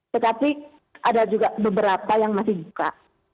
tetapi ada juga beberapa yang masih buka